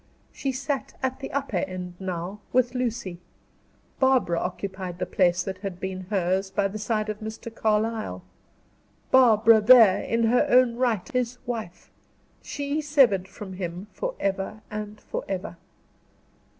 She sat at the upper end now, with Lucy; Barbara occupied the place that had been hers, by the side of Mr. Carlyle. Barbara there, in her own right his wife; she severed from him forever and forever!